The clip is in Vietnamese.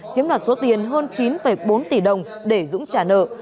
chiếm đoạt số tiền hơn chín bốn tỷ đồng để dũng trả nợ